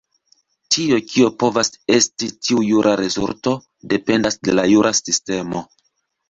Tio, kio povas esti tiu jura rezulto, dependas de la jura sistemo.